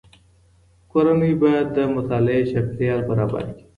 کورنۍ باید د مطالعې چاپیریال برابر کړي.